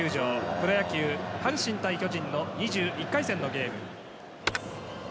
プロ野球阪神対巨人の２１回戦のゲーム。